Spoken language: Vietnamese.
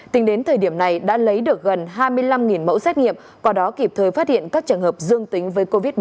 tính đến thời điểm này đã lấy được gần hai mươi năm mẫu xét nghiệm qua đó kịp thời phát hiện các trường hợp dương tính với covid một mươi chín